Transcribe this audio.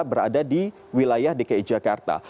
berada di wilayah dki jakarta